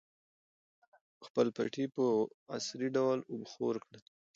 خپلې پټۍ په عصري ډول اوبخور کړئ.